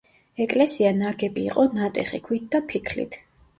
ეკლესია ნაგები იყო ნატეხი ქვით და ფიქლით.